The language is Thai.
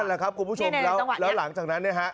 แหละครับคุณผู้ชมแล้วหลังจากนั้นเนี่ยฮะ